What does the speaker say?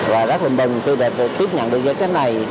và rất hùng bừng khi đã tiếp nhận được chiến sách này